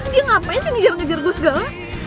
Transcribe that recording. dia ngapain sih ngejar ngejar gue segala